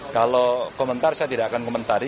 kalau komentar saya tidak akan komentari